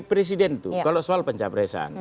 presiden itu kalau soal pencapresan